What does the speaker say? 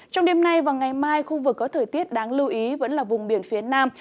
trong đêm nay và ngày mai khu vực có thời tiết đáng lưu ý vẫn là vùng biển phía nam